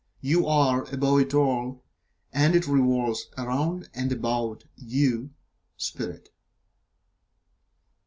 You are above it all, and it revolves around and about you Spirit.